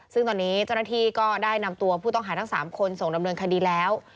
ซึ่งตอนนี้เจ้าหน้าที่ก็ได้นำตัวผู้ต้องหาทั้ง๓คนส่งดำเนินคดีแล้ว